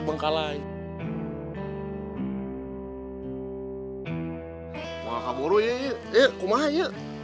mengangka borun y uskan